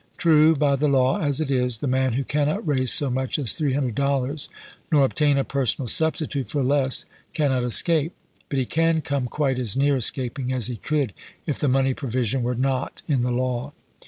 True, by the law as it is, the man who cannot raise so much as three hundred dollars, nor obtain a personal substitute for less, cannot escape; but he can come quite as near escaping as he could if the money provision were not in the law.